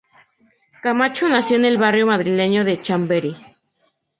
Camacho nació en el barrio madrileño de Chamberí.